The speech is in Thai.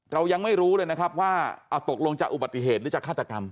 เรายังไม่รู้เลยนะครับว่าตกลงจะอุบัติเหตุหรือจะฆาตกรรม